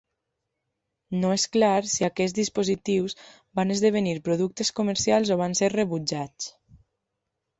No és clar si aquests dispositius van esdevenir productes comercials o van ser rebutjats.